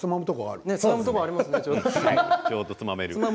ちょうどつまめる。